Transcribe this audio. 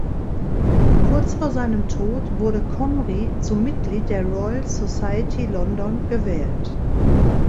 Kurz vor seinem Tod wurde Comrie zum Mitglied der Royal Society London gewählt.